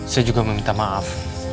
saya juga meminta maaf